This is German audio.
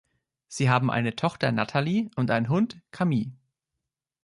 Sie haben eine Tochter, Natalie, und einen Hund, Camille.